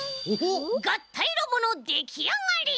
がったいロボのできあがり！